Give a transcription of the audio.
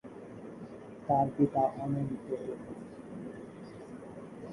তার পিতা অনন্ত ওক।